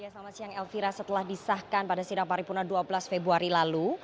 selamat siang elvira setelah disahkan pada sidang paripurna dua belas februari lalu